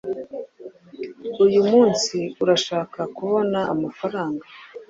Uyu munsi urashaka kubona amafaranga?